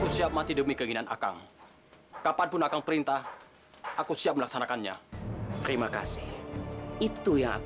sampai jumpa di video selanjutnya